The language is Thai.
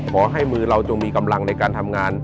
ขอให้มือเราจงมีกำลังในการทำงาน